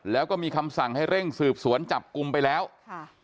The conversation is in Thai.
แล้วก็มีคำสั่งให้เร่งสืบสวนจับกลุ่มไปแล้วค่ะ